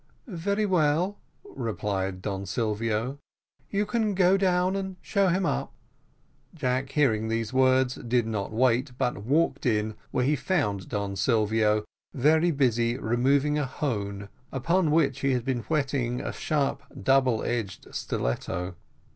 "Very well," replied Don Silvio, "you can go down and show him up." Jack, hearing these words, did not wait, but walked in, where he found Don Silvio very busy removing a hone upon which he had been whetting a sharp double edged stiletto.